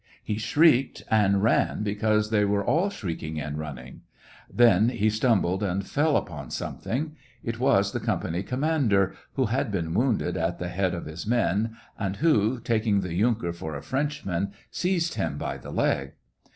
He shrieked and ran, because they were all shrieking and running. Then he stumbled and fell upon something. It was the company com mander (who had been wounded at the head of his men and who, taking the yunker for a French 96 SEVASTOPOL IN MAY. man, seized him by the leg).